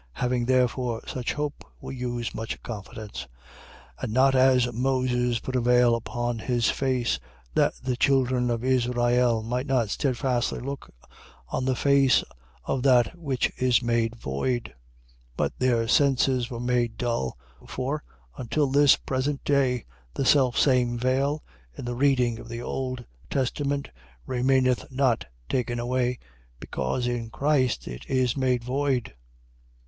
3:12. Having therefore such hope, we use much confidence. 3:13. And not as Moses put a veil upon his face, that the children of Israel might not steadfastly look on the face of that which is made void. 3:14. But their senses were made dull. For, until this present day, the selfsame veil, in the reading of the old testament, remaineth not taken away (because in Christ it is made void).